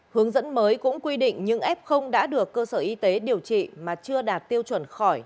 hướng dẫn mới cũng quy định nhưng f đã được cơ sở y tế điều trị mà chưa đạt tiêu chuẩn khỏi